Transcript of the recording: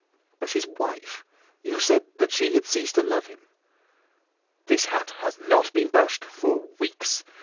"But his wife—you said that she had ceased to love him." "This hat has not been brushed for weeks.